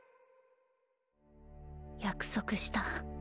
約束した。